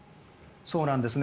そうなんですね。